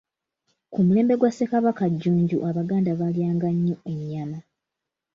Ku mulembe gwa Ssekabaka Jjunju Abaganda baalyanga nnyo ennyama.